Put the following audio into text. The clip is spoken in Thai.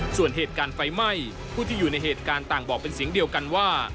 ส่วนเหตุการณ์ไฟไหม้ผู้ที่อยู่ในเหตุการณ์ต่างบอกเป็นเสียงเดียวกันว่า